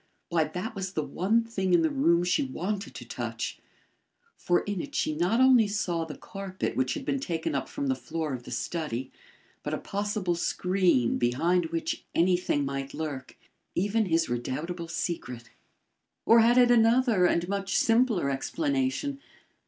Why, that was the one thing in the room she wanted to touch; for in it she not only saw the carpet which had been taken up from the floor of the study, but a possible screen behind which anything might lurk even his redoubtable secret. Or had it another and much simpler explanation?